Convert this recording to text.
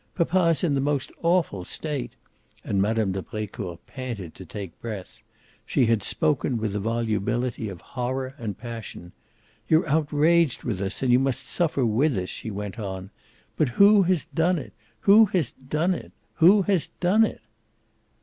Papa's in the most awful state!" and Mme. de Brecourt panted to take breath. She had spoken with the volubility of horror and passion. "You're outraged with us and you must suffer with us," she went on. "But who has done it? Who has done it? Who has done it?"